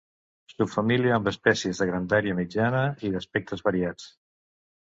Subfamília amb espècies de grandària mitjana i d'aspectes variats.